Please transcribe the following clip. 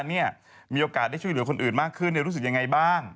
มีโอกาสได้ช่วยเหลือคนอื่นมากขึ้นรู้สึกยังไงบ้าง